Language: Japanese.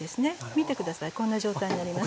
見て下さいこんな状態になります。